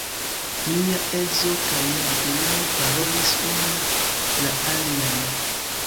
Mia edzo kaj mi apenaŭ parolis unu la alian.